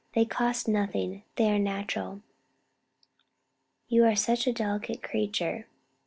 "They cost nothing they are natural." "You are such a delicate creature."